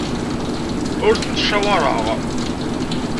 Ur tent-ttcawaṛeɣ.